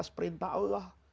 atas perintah allah